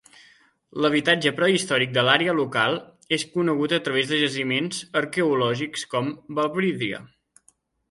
L'habitatge prehistòric de l'àrea local és conegut a través de jaciments arqueològics com Balbridie.